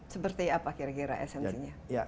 seperti apa kira kira esensinya